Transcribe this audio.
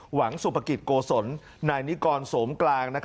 หวังสุปกิจโกศลนายนิกรสมกลาง